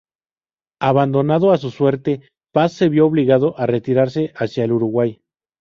Abandonado a su suerte, Paz se vio obligado a retirarse hacia el Uruguay.